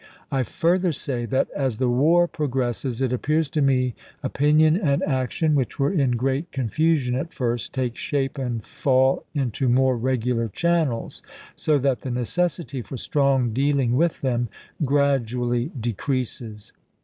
I further say that as the war progresses it appears to me opinion and action, which were in great confusion at first take shape and fall into more regular channels, so that the necessity for strong dealing with them gradually decreases.